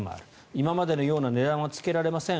今までのような値段はつけられません。